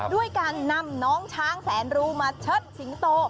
ด้วยการนำน้องช้างแสนรู้มาเชิดสิงโต